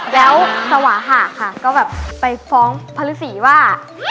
แล้วสวาหะค่ะก็แบบไปฟ้องพระฤษีว่า